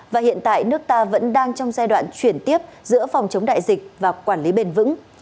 và hiện tại nước ta vẫn đang trong giai đoạn chuyển tiếp giữa phòng chống đại dịch và quản lý bền vững